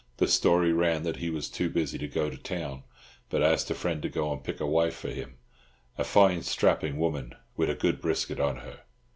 The story ran that he was too busy to go to town, but asked a friend to go and pick a wife for him, "a fine shtrappin' woman, wid a good brisket on her."